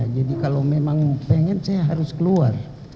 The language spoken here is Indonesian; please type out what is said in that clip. jadi kalau memang pengen saya harus keluar